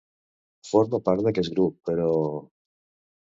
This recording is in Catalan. Forma part d'aquest grup, però?